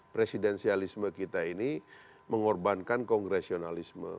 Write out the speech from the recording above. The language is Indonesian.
presidensialisme kita ini mengorbankan kongresionalisme